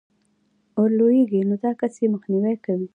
ورلوېږي، نو دا كس ئې مخنيوى كوي